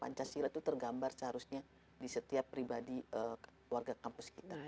pancasila itu tergambar seharusnya di setiap pribadi warga kampus kita